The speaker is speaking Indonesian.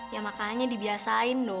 ya makanya dibiasain dong